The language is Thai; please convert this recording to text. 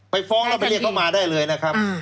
ฟ้องแล้วไปเรียกเขามาได้เลยนะครับ